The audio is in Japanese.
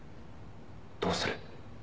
「どうする？」